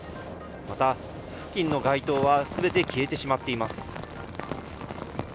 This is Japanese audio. また付近の街灯は全て消えてしまっています。